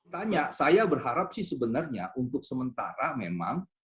tanya saya berharap sih sebenarnya untuk sementara memang